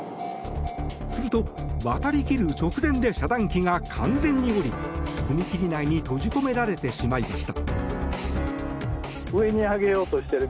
すると、渡り切る直前で遮断機が完全に下り踏切内に閉じ込められてしまいました。